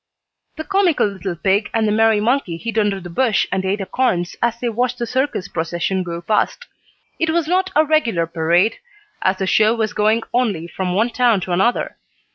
The comical little pig and the merry monkey hid under the bush and ate acorns as they watched the circus procession go past. It was not a regular parade, as the show was going only from one town to another.